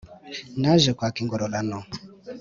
Naje kwaka ingororano.